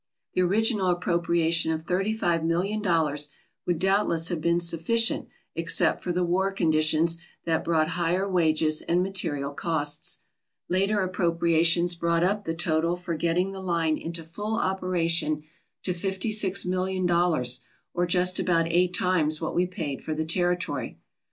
The original appropriation of thirty five million dollars would doubtless have been sufficient except for the war conditions that brought higher wages and material costs. Later appropriations brought up the total for getting the line into full operation to fifty six million dollars, or just about eight times what we paid for the territory.